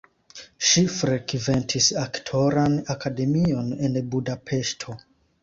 Ŝi frekventis aktoran akademion en Budapeŝto.